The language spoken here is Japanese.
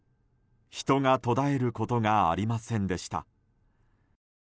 人が途絶えることがありませんでした。